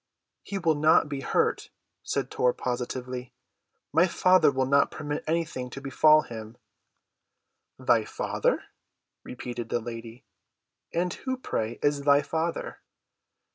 "He will not be hurt," said Tor positively. "My Father will not permit anything to befall him." "Thy Father?" repeated the lady. "And who, pray, is thy Father?"